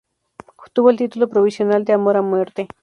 Tuvo el título provisional de "Amor e Muerte.